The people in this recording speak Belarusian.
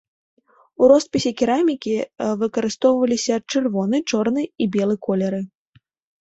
У роспісе керамікі выкарыстоўваліся чырвоны, чорны і белы колеры.